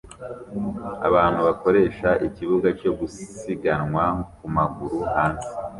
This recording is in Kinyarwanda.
Abantu bakoresha ikibuga cyo gusiganwa ku maguru hanze